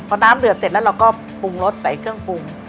พอน้ำเดือดเสร็จแล้วเราก็ปรุงรสใส่เครื่องปรุง